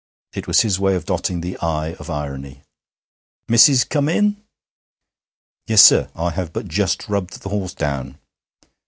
It was his way of dotting the 'i' of irony. 'Missis come in?' 'Yes, sir; I have but just rubbed the horse down.'